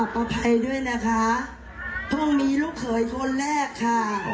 ออกก็ภายด้วยนะคะต้องมีลูกเขยคนแรกค่ะ